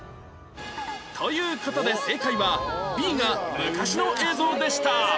という事で正解は Ｂ が昔の映像でした